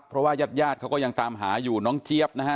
เพราะว่ายาดเขาก็ยังตามหาอยู่น้องเจี๊ยบนะฮะ